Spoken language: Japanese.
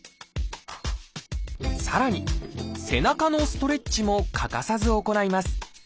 さらに「背中のストレッチ」も欠かさず行います。